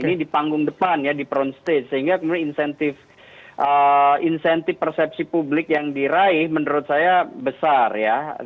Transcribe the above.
ini di panggung depan ya di front stage sehingga kemudian insentif persepsi publik yang diraih menurut saya besar ya